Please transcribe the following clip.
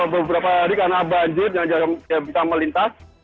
beberapa hari karena banjir yang bisa melintas